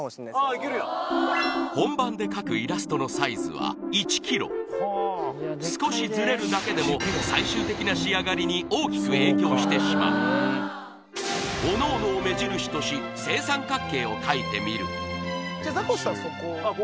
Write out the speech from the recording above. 本番で描くイラストのサイズは１ｋｍ少しズレるだけでも最終的な仕上がりに大きく影響してしまうおのおのを目印とし正三角形を描いてみるあっ